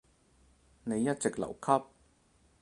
你一直留級？